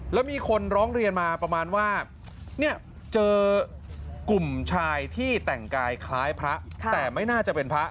แล้วมีคนร้องเรียนมาประมาณว่าเนี่ยเจอกลุ่มชายที่แต่งกายคล้ายพระแต่ไม่น่าจะเป็นพระ